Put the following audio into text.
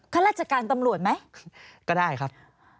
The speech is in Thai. ข้าราชการตำรวจไหมก็ได้ครับ